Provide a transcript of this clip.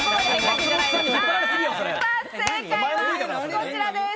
正解はこちらです。